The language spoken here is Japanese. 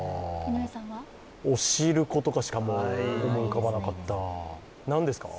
おしることかしか、思い浮かばなかった。